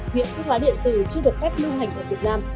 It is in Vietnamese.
hiện thuốc lá điện tử chưa được phép lưu hành ở việt nam